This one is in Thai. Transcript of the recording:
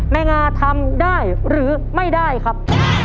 งาทำได้หรือไม่ได้ครับ